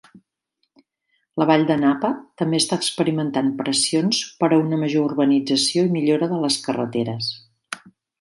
La vall de Napa també està experimentant pressions per a una major urbanització i millora de les carreteres.